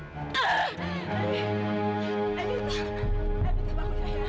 ya udah kita bisa